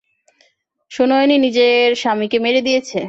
সুনয়নী নিজের স্বামীকে মেরে দিয়েছে।